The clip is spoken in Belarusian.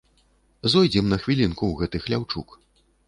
Зойдзем на хвілінку ў гэты хляўчук.